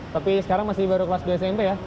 tapi sekarang masih baru kelas dua smp ya